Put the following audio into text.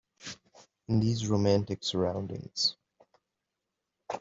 In these romantic surroundings.